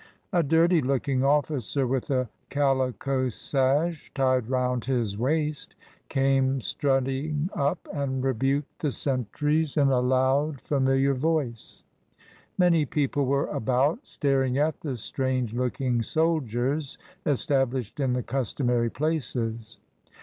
A dirty looking officer, with a calico sash tied round his waist, came strutting up, and rebuked the sentries PAST THE CHURCH OF ST. ROCH. 235 in a loud, familiar voice. Many people were about, staring at the strange looking soldiers established in the customary places.